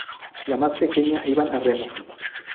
Las más pequeñas iban a remo.